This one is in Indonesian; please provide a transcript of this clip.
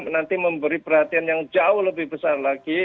nanti memberi perhatian yang jauh lebih besar lagi